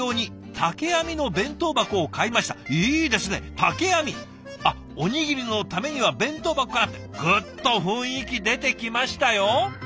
竹編み！あっおにぎりのためには弁当箱からってグッと雰囲気出てきましたよ。